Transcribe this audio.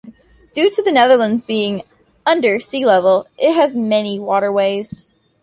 Due to the Netherlands being under sea-level, it has many waterways.